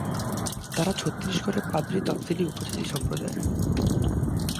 তাঁরা ছত্তিশগড়-এর পাদ্রী তফসিলি উপজাতি সম্প্রদায়ের।